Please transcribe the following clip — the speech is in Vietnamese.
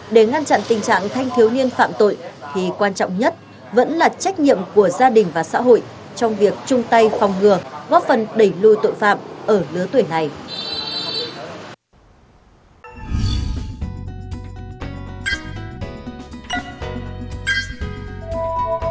để ngăn chặn tình trạng thanh thiếu niên phạm tội thì quan trọng nhất vẫn là trách nhiệm của gia đình và xã hội đối tượng này có độ tuổi và xem đó như là một minh chứng thể hiện bản thân